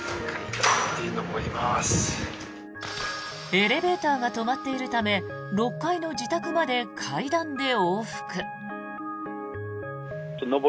エレベーターが止まっているため６階の自宅まで階段で往復。